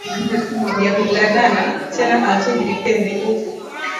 Bya ku landana tena atubi pende uku